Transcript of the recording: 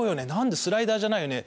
「スライダーじゃないよね」